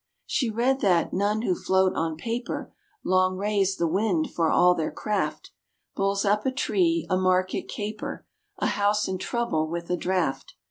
She read that "none who float on paper Long raise the wind, for all their craft," "Bulls up a tree, a market caper," "A house in trouble with a draft."